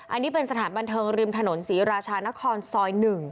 อันนี้เป็นสถานบันเทิงริมถนนศรีราชานครซอย๑